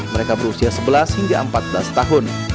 mereka berusia sebelas hingga empat belas tahun